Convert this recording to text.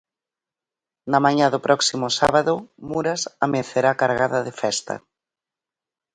Na mañá do próximo sábado, Muras amencerá cargada de festa.